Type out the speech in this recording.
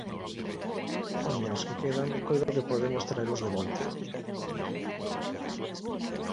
Home, aos que quedan. Coido que podemos traelos de volta.